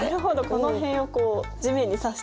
この辺をこう地面に刺して。